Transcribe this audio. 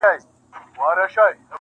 یارانو رخصتېږمه، خُمار درڅخه ځمه!